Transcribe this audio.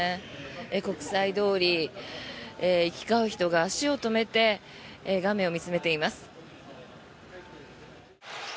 国際通り行き交う人が足を止めて画面を見つめています。